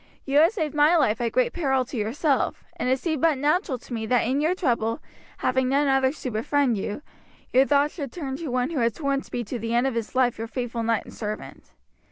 You had saved my life at great peril to yourself, and it seemed but natural to me that in your trouble, having none others to befriend you, your thoughts should turn to one who had sworn to be to the end of his life your faithful knight and servant.